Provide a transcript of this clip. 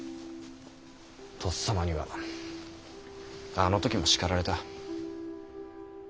とっさまにはあの時も叱られた。